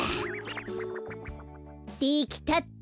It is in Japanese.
できたっと。